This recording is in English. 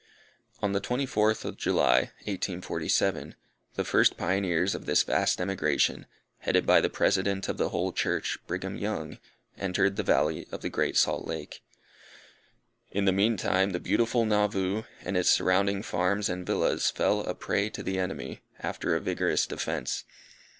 On the 24th of July, 1847, the first pioneers of this vast emigration, headed by the President of the whole Church, Brigham Young, entered the Valley of Great Salt Lake. In the meantime, the beautiful Nauvoo, and its surrounding farms and villas fell a prey to the enemy, after a vigorous defence.